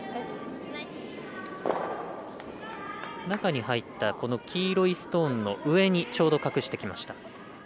中に入ったこの黄色いストーンの上にちょうど、隠してきました。